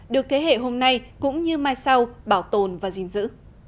được thế hệ hôm nay cũng như mai sau bảo tồn và gìn giữ